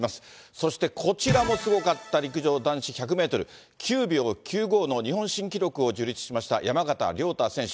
そしてこちらもすごかった、陸上男子１００メートル、９秒９５の日本新記録を樹立しました山縣亮太選手。